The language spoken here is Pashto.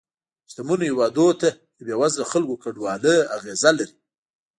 شتمنو هېوادونو ته د بې وزله خلکو کډوالۍ اغیزه لري